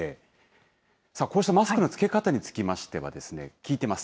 こうしたマスクの着け方については聞いてます。